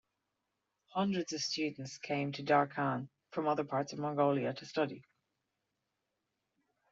Hundreds of students come to Darkhan from other parts of Mongolia to study.